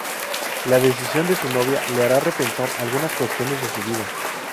La decisión de su novia le hará repensar algunas cuestiones de su vida.